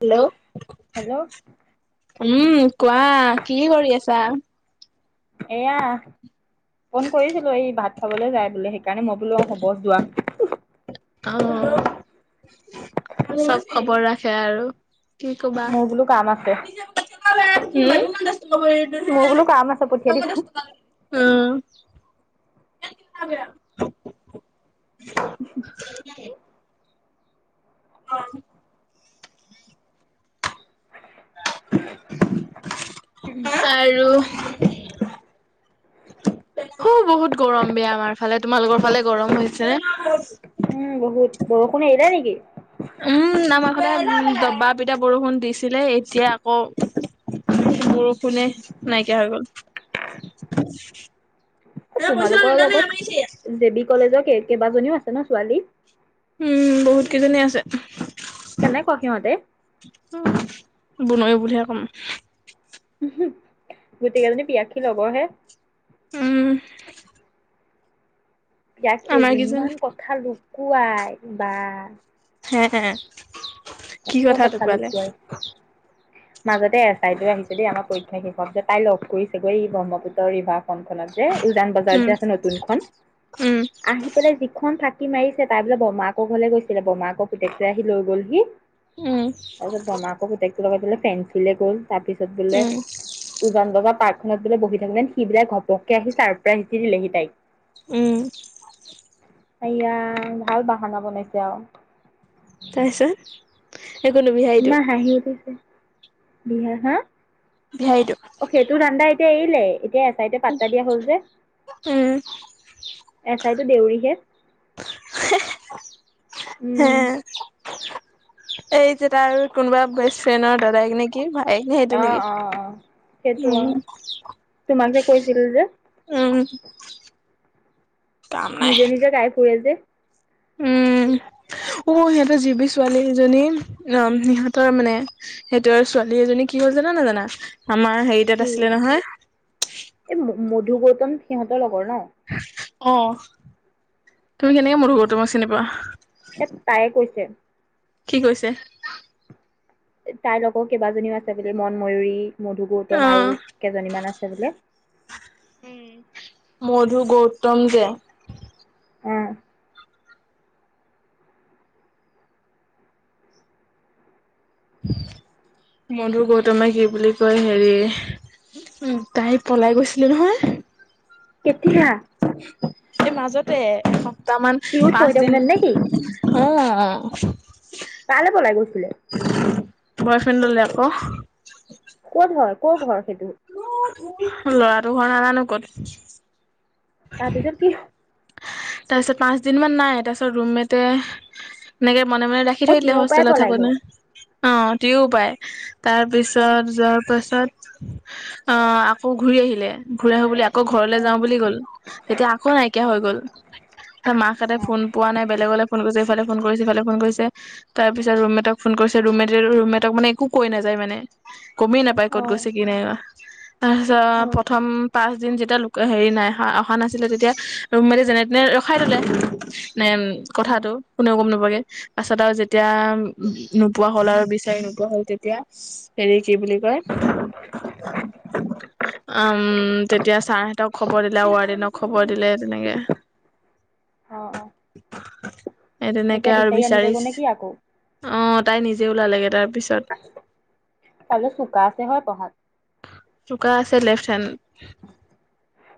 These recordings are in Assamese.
Hello hello. উম কোৱা কি কৰি আছা? এয়া ফোন কৰিছিলো এই ভাত খবলৈ যায় বুলে হেই সেইকাৰণে মই বোলো হব যোৱা অ চব খবৰ ৰাখে আৰু। কি ক'বা? মোৰ বোলো কাম আছে হু মোৰ বোলো কাম আছে পঠিয়াই দিছো হু এ [unintelligible] উহু হু অ আৰু হ বহুত গৰম বেয়া আমাৰ ফালে তোমালোকৰ ফালে গৰম হৈছে উম বহুত নে বৰষুণ এৰিলে নেকি উম আমাৰ ফালে দবা পিতা বৰষুণ দিছিলে এতিয়া আকৌ বৰষুণ কোনে নাইকিয়া হৈ গ'ল [unintelligible] তোমালোকৰ লগত দেৱিক। কলেজৰ কেইবাজনীও আছে ন ছোৱালী উম বহুত কেইজনী আছে কেনে কোৱা সিহতেঁ বনৰী বুলিয়ে হে কম গোটকেইজনী পিয়াসী লগৰহে উম ৰাখীয়ে আমাৰ যে কেইজন ইমান কথা কোৱাই বা হে কি কত কথা লুকোৱালে। লুকুৱাই মাজতে এছ আইটো আহিছে দেই আমাৰ পৰীক্ষা শেষ কৰা পাছত যে তাই লগ কৰিছেগৈ এই ব্ৰহ্মপুত্ৰৰ ৰিভাৰ অসম খনত যে উজান বজাৰত উম যে আছে নতুনখন উম আহি পেলাই যিখন থাকে। সি মাৰিছে তাই বোলে বৰমাকক ঘৰলৈ গৈছিলে বৰমা আক পুতেকেটো আহি লৈ গ'লহি উম, তাৰ পিছত বৰমাকৰ পুতেকটো লগত । ফেঞ্চিলে গ'ল। তাৰপিছত বোলে উম, উজান বজাৰ পাৰ্ক। ঘৰত বোলে বহি থাকোঁতে সি বোলে ঘপকে আহি ছাৰপ্ৰাইজ দি দিলেহি তাইক। উম ইয়া ভাল বাহানা বনাইছে আৰু তাৰ পাছত না হাঁহি উঠিছে বিহাৰ হা বিহাৰীটো অ সেইটো ধানদা এতিয়া এৰিলে এতিয়া আছে তাই এতিয়া পাতা দিয়া হ'ল যে উম, এছ আই দেউৰীহে হে উম এই যেত আৰু কোনোবা বেছ ফ্ৰেনৰ দাদাইক নেকি ভায়েক নে সেইটো অ নেকি অ অ সেইটো অ উম তোমাক যে কৈছিলো যে উম [inaudible] নিজে নিজে গাই ফুৰে যে উম উ সিহঁতৰ জিৱি ছোৱালী এজনী উ সিহঁতৰ মানে সিহঁতৰ ছোৱালী এজনী কি হ'ল জানা নে জানা। আমাৰ হেৰি কি তাত আছিলে নহয়। ধ গৌতম সিহঁৰ বণ অ তুমি কেনেকে মধ গ তোমাৰ চিনি পোৱা এ তাই কৈছে কি কৈছে তাইৰ লগৰ কেইবাজনীও আছে বোলে মন ময়ূুৰী মধু গৌতম আৰু অ', কেইজনীমান আছে। সেই বোলে উম মধু গৌতম যে অ মধুৰ গৌতমে কি বুলি কয় হেৰি তাই পলাই গৈছিলি নহয় কেতিয়া তে দুইটা মান টিউত পাঁচ পঢ়ি দিন থাকোতে নেকি অ কালে বলাই গৈছিল বয়ফ্ৰেণ্ডলৈ আকৌ। ক'ত হয় ক ঘৰ সেইটো ল'ৰাটো ঘৰ নাজানো ক'ত তাৰপিছত কি? তাৰপিছত পাঁচ দিন মান নাই তাৰপিছত ৰুমেট এনেকে মনে মনে ৰাখি অ থৈ দিলে তিউৰ পৰাই হোষ্টেলত পলাই থাকো নে গ'ল অ তিও পাই তাৰ পিছত যোৱাৰ পাছত । আ আকৌ ঘূৰি আহিলে ঘূৰি আহো বুলি ঘৰলে অ যাওঁ অ বুলি গ'ল তেতিয়া আকৌ নাইকিয়া হৈ গ'ল মাকহঁতে অ ফোন পোৱা নাই বেলেগলৈ ফোন কৰিছে ইফালে ফোন কৰিছে সিফালে ফোন কৰিছে। তাৰ পিছত ৰুম মেটক ফোন কৰিছে ৰুম মেট ৰুম মেটক মানে একো কৈ নাযায় মানে। গমেই নাপায় ক'ত অ গৈছে কি নাই তাৰ পাছত প্ৰথম পাঁচদিন যেতিয়া লোকে হেৰি নাইহোৱা ৰখা নাছিলে তেতিয়া ৰুমমেটে যেনে তেনে ৰখাই থলে, মানে অ কথাটো কোনেও গম নোপোৱাকে পাছত আৰু যেতিয়া নোপোৱা হল আৰু বিচাৰি নোপোৱা হল তেতিয়া হেৰি কি বুলি কয়? উম তেতিয়া ছাৰহতক খবৰ কৰি লাও [unintelligible] ন খবৰ [unintelligible] দিলে তেনেকে। অ অ এতিয়া তেনেকে আৰু বিচাৰি, আনিলেগৈ নে কি আকৌ অ তাই নিজেও ওলালেগে তাত তাইয়ে চোকা আছে হয় পঢ়াত? চোকা আছে লেফট হেণ্ড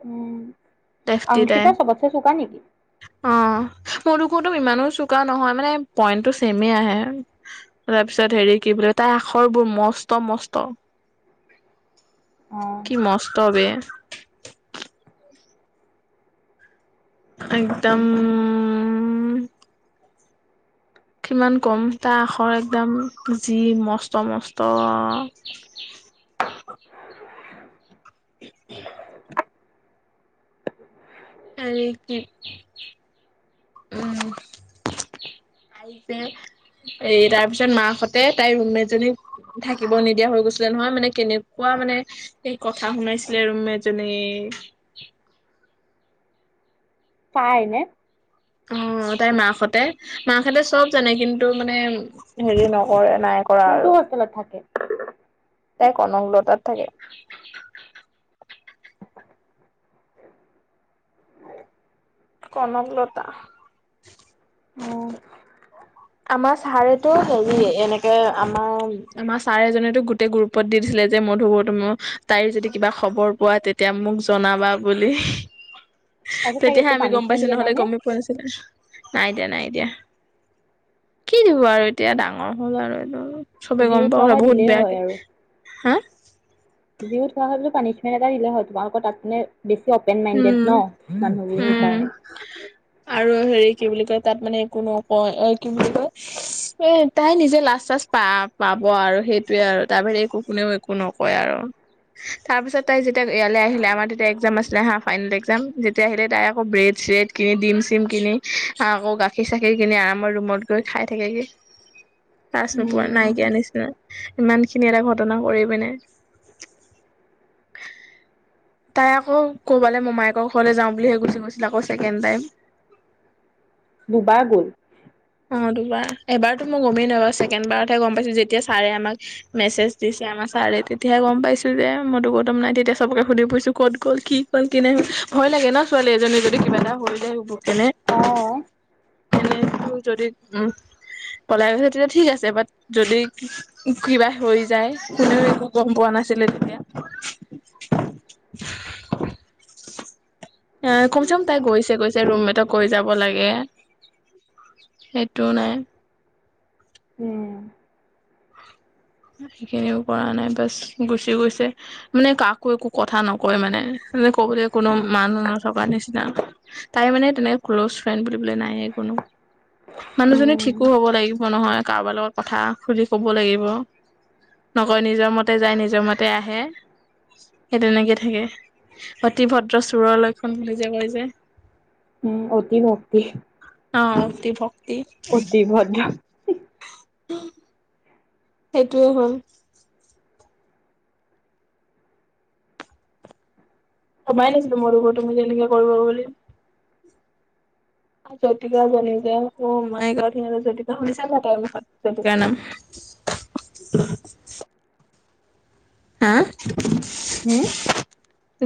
উম তেফটি অংশিতা তেম। চবতছে চোকা নেকি অ মোৰো মোৰটো ইমানো চোকা নহয় মানে পইণ্টো ছেমে আহে। তাৰ পিছত হেৰি কি বুলে তাইৰ আখৰ বোৰ মস্ত-মস্ত। অ কি মস্ত বে। একদম কিমান কম তাৰ আখৰ একদম যি মস্ত-মস্ত। [unintelligible] হু হু। উম তাই যে এই তাৰপিছত মাহঁতে তাই ৰুমমেট জনীক থাকিব নিদিয়া হৈ গৈছিলে, নহয় মানে কেনেকুৱা মানে এই কথা শুনাইছিলে ৰুমমেট জনী পাই নে? অহ, তাইৰ মাকহঁতে মাকহঁতে চব জানে কিন্তু মানে হেৰি নকৰে। নাই কৰা কোনটো হোষ্টেলত থাকে? এই কনকলতাত থাকে। কনকলতা। অ আমাৰ ছাৰেটো হেৰি এনেকে আমাৰ ছাৰে এজনেতো গোটেই গ্ৰুপত দি দিছিলে যে মধু বৰ্তমান তাইৰ যদি কিবা খবৰ পোৱা তেতিয়া মোক জনাবা বুলি। তাৰপিছত তাইক তেতিয়াহে একো আমি গম পানিচমেন্ট পাইছো দিয়া নাই নহ'লে নে গমেই পোৱা নাছিলো। নাই দিয়া, নাই দিয়া। কি দিব আৰু এতিয়া ডাঙৰ হ'ল আৰু এইটো চবে যি গম উঠোৱা পাওঁ হয় বহুত দিলেই বেয়াকে, হা যিওত হোৱা হয় পানিছমেণ্ট এটা দিলে হয় তোমালোকৰ তাত মানে বেছি অপেন মাইণ্ডেড উম ন মানুহবোৰ সেই উম কাৰণে। আৰু হেৰি কি বুলি কয় তাত মানে একো নকয়। এ কি বুলি কয় এ তাই নিজে লাষ্ট চাষ্ট পা পাব আৰু সেইটোয়ে আৰু তাৰবাহিৰে একো কোনেও একো নকয় আৰু। তাৰ পিছত তাই যেতিয়া ইয়ালৈ আহিলে আমাৰ তেতিয়া এক্জাম আছিল। ছিলে হা ফাইনেল এক্জাম। যেতিয়া আহিলে তাই আকৌ ব্ৰেড-চ্ৰেড, কেক, ডিম-চিম কিনি হা আকৌ গাখীৰ-চাখীৰ কিনি আমাৰ ৰুমত গৈ খাই থাকেগে। কছ নোপোৱা উম, নাইকিয়া আ নিচিনা ইমান খিনি এটা ঘটনা কৰি পিনে তাই আকৌ ক'বালৈ মমায়েকৰ ঘৰলৈ যাওঁ বুলি গুচি গৈছিল আকৌ ছেকেণ্ড টাইম। দুবাৰ গ'ল। অ দুবাৰ এবাৰতো মই গমেই নাপাওঁ। ছেকেণ্ড বাৰতহে গম পাইছোঁ, যেতিয়া ছাৰে আমাক মেছেজ দিছে আমাৰ ছাৰে তেতিয়াহে গম পাইছো যে মইতো গৌতম নাই তেতিয়া চবকে সুধি ফুইছো । ক'ত গ'ল, কি ক'ল, কেনে হল ভয় লাগে ন ছোৱালী এজনী যদি কিবা এটা হৈ যায় হুপ অহ। এনে মোক যদি উ পলাই গৈছে ।তেতিয়া ঠিক আছে বাট যদি কিবা হৈ যায় ।কোনেও একো গম পোৱা নাছিলে তেতিয়া। এ কমচ কম তাই গৈছে গৈছে ৰুমমেটক গৈ যাব লাগে সেইটোও নাই। উম সেইখিনিও কৰা নাই বাছ গুচি গৈছে। মানে কাকো একো কথা নকয় মানে কবলৈ কোনো মানুহ নথকাৰ নিচিনা তাই মানে তেনেকে ক্ল'জ ফ্ৰেণ্ড বুলিলে নাইেই কোনো মানুহজনী উম ঠিকো হব লাগিব নহয় কাৰোবাৰ লগত কথা সুধি কব লাগিব। নকয় নিজৰ মতে যায় নিজৰ মতে আহে সেই তেনেকে থাকে অতি ভদ্ৰ চোৰৰ লক্ষণ বুলি যে কয় যে। উম অতি ভক্তক্তি। অ'হ অতি ভক্তি। অতি ভদ্ৰ। উ [unintelligible] সেইটোয়ে হ'ল। ভমাই নাছিলো মোৰ দু তুমি যেনেকে কৰিব বুলি ।জয়তিকা জনী যে মাই জতিকা শুনিছাবা তাইৰ মুখত জতিকাৰ নাম। হা। হম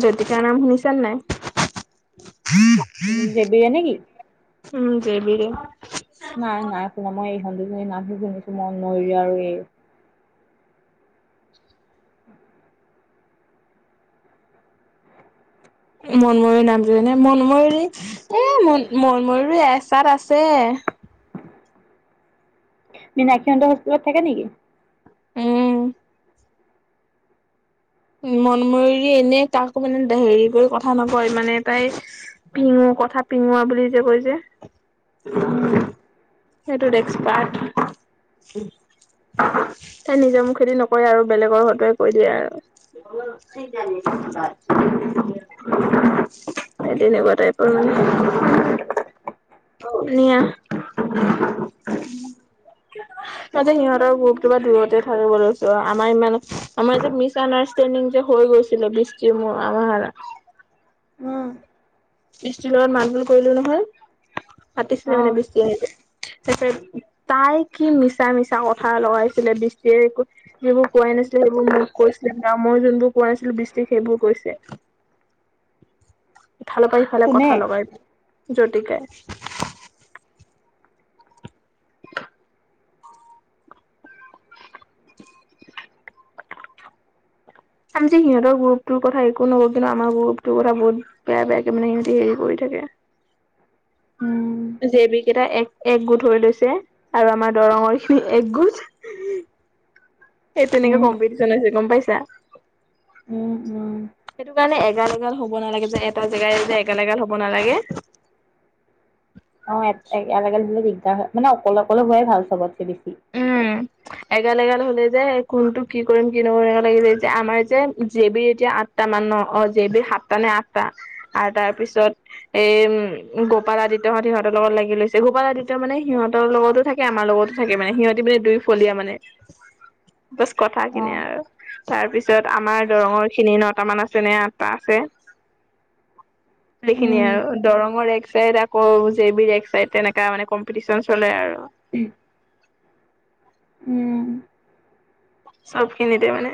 জুতিকাৰ নাম শুনিছে নাই। জেবৰীয়া নেকি? উম জেবিয়া। মন্দুজনী নামি শুনিছো মইন মৰি আৰু এই। মনময়ৰী নামটো জনেে মনময়ৰী এ মন মনময়ৰ এচাত আছে। মিনাকীহন্দ হস্পিটেলত থাকে নেকি। উম। মনময়ৰি এনে কাকো মানে হেৰি কৰি কথা নকয়। মানে তাই পিঙো কথা পিঙোৱা বুলি যে কৈ যে উম সেইটোত এক্সপাৰ্ট তাই নিজৰ মোক খেতি নকৰে আৰু বেলেগৰ সতে কৈ দিয়ে আৰু। স তেনেকুৱা টাইপৰ মানেীয়াতে সিহঁতৰ কিবা দূৰতে থাকে লৈছো আমাৰ ইমান আমাৰ ই মিছ। আডাৰষ্টডিং যে হৈ গৈছিলে বিষ্টি আমাৰ। উম ইচটেনত মানুহৰ পৰিলে নহয়। পাতিছিলে মানে অ' বেছি আহ যে। ত তাই কি মিছা মিছা কথা লগাইছিলে বৃষ্টিয় যিবোৰ কোৱাই নাছিলো ।সেইবোৰ মোক কৈছিল আৰু মই যোনবোৰ কোৱা নাছিলো বৃষ্টিক সেইবোৰ কৈছে। ফালৰ পৰািফালে কোনে কথা লগাই জ্যতিকাই। [unintelligible] [unintelligible] আমি যে সিহঁতৰ গ্ৰুপটোৰ কথা একো নকওঁ। কিন্তু আমাৰ গ্ৰুপটোৰ কথা বহুত বেয়া বেয়াকে মানে সিহঁতে হেৰি কৰি থাকে। উম। দেৱ কেইটা এক একগোট হৈ লৈছে ।আৰু আমাৰ দৰঙৰ খিনি একগোট। সেই উম তেনে্পিন গম পাইছা উম উম সেইটো কাৰণে এাল হব নালাগে যে এ জেগ এ হব নালাগে। অলিল দি। মানে অকলে অকলে হোৱাই ভাল চবত বেছি। উম এগাল এগাল হলে যে কোনটো কি কৰিম কি নকৰিম লাগি যে যে আমাৰ যে জে বিৰ এতিয়া আঠটা মান ন অ জে বি সাতটা নে আঠটা আৰু তাৰ পিছত এম গোপাল আদিত্যহঁত সিহঁতৰ লগত লাগি লৈছে। গোপাল আদিত্য মানে সিহঁতৰ লগতো থাকে আমাৰ লগতো থাকে। মানে সিহঁতি মানে দুই ফলীয়া মানে কথা কিনে অ' আৰু তাৰ পিছত আমাৰ দৰঙৰ খিনি নটা মান আছে নে আঠটা আছে। সেইখিনি উম আৰু দৰঙৰ এক চাইড আকৌ জে বি এক চাইড তেনেকা মানে কম্পিটিচন চলে আৰু। উম চব খিনিতে মানে।